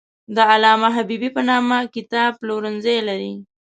د علامه حبیبي په نامه کتاب پلورنځی لري.